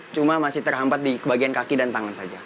cuma masih terhampat di bagian kaki dan tangan saja